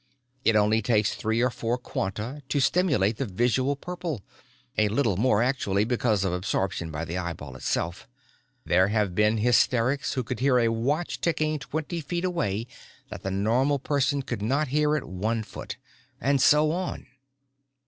It only takes three or four quanta to stimulate the visual purple a little more actually because of absorption by the eyeball itself. There have been hysterics who could hear a watch ticking twenty feet away that the normal person could not hear at one foot. And so on.